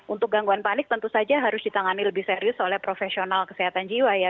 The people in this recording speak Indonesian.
untuk gangguan panik tentu saja harus ditangani lebih serius oleh profesional kesehatan jiwa ya